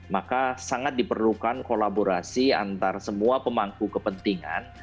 maka sangat diperlukan kolaborasi antara semua pemangku kepentingan